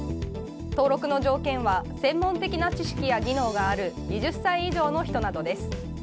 登録の条件は専門的な知識や技能がある２０歳以上の人などです。